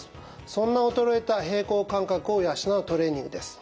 そんな衰えた平衡感覚を養うトレーニングです。